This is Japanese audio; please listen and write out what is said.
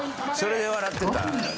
それで笑ってたのね。